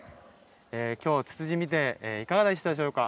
きょう、ツツジを見ていかがでしたでしょうか。